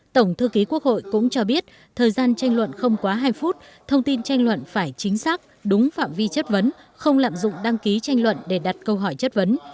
tổng thư ký quốc hội cũng cho biết thời gian tranh luận không quá hai phút thông tin tranh luận phải chính xác đúng phạm vi chất vấn không lạm dụng đăng ký tranh luận để đặt câu hỏi chất vấn